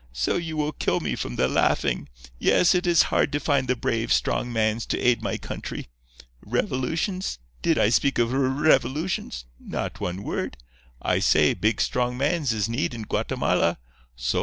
'So you will kill me from the laughing. Yes; it is hard to find the brave, strong mans to aid my country. Revolutions? Did I speak of r r revolutions? Not one word. I say, big, strong mans is need in Guatemala. So.